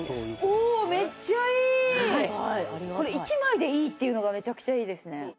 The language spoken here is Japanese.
おめっちゃいい！っていうのがめちゃくちゃいいですね。